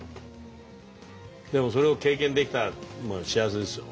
でもそれを経験できたのは幸せですよ。